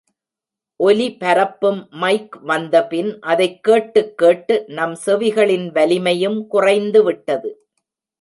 ஒலி பரப்பும் மைக் வந்தபின் அதைக் கேட்டுக் கேட்டு, நம் செவிகளின் வலிமையும் குறைந்து விட்டது.